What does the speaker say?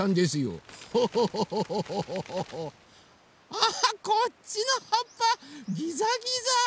あこっちのはっぱギザギザ！